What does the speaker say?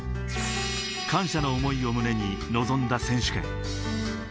感謝の思いを胸に臨んだ選手権。